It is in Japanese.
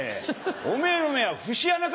おめぇの目は節穴か？